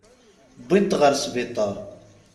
Wwin-t ɣer sbiṭar.